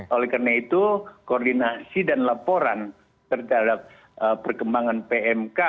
oleh karena itu koordinasi dan laporan terhadap perkembangan pmk